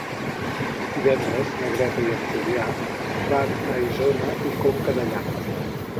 Divendres na Greta i en Julià van a Isona i Conca Dellà.